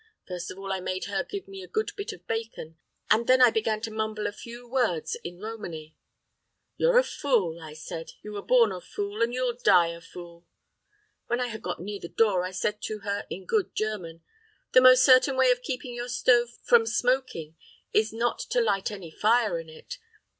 First of all I made her give me a good bit of bacon, and then I began to mumble a few words in Romany. 'You're a fool,' I said, 'you were born a fool, and you'll die a fool!' When I had got near the door I said to her, in good German, 'The most certain way of keeping your stove from smoking is not to light any fire in it!